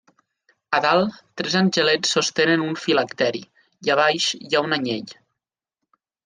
A dalt, tres angelets sostenen un Filacteri, i a baix hi ha un anyell.